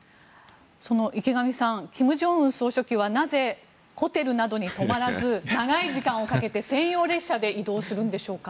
池上さん、金正恩総書記はなぜホテルなどに泊まらず長い時間をかけて専用列車で移動するんでしょうか。